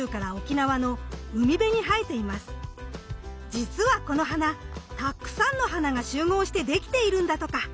じつはこの花たくさんの花が集合してできているんだとか。